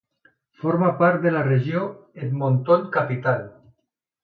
Forma part de la Regió Edmonton Capital.